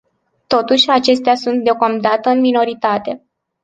Totuși, acestea sunt deocamdată în minoritate.